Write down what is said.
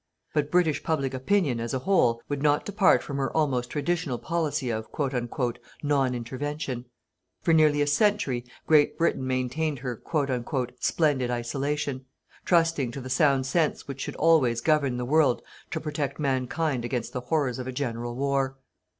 But British public opinion, as a whole, would not depart from her almost traditional policy of "non intervention". For nearly a century, Great Britain maintained her "splendid isolation", trusting to the sound sense which should always govern the world to protect Mankind against the horrors of a general war.